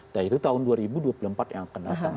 nah itu tahun dua ribu dua puluh empat yang akan datang